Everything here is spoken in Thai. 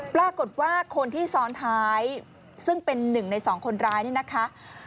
ปรากฏว่าคนที่ซ้อนท้ายซึ่งเป็นหนึ่งในสองคนร้ายนี่นะคะ